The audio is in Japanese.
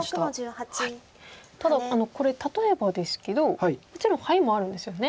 ただこれ例えばですけどもちろんハイもあるんですよね？